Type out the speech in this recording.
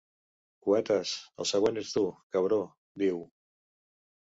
“Cuetes”, el següent ets tu, cabró, diu.